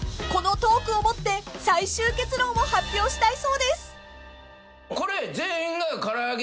［このトークをもって最終結論を発表したいそうです］